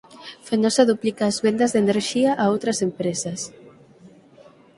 Fenosa duplica as vendas de enerxía a outras empresas